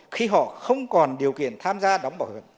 khi họ không còn điều kiện để rút bảo hiểm